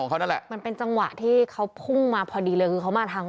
เขานั่นแหละมันเป็นจังหวะที่เขาพุ่งมาพอดีเลยคือเขามาทาง